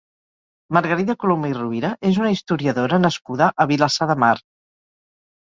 Margarida Colomer i Rovira és una historiadora nascuda a Vilassar de Mar.